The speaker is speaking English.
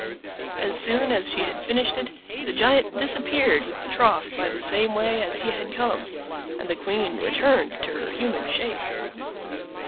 As soon as she had finished it the giant disappeared with the trough by the same way as he had come, and the queen returned to her human shape.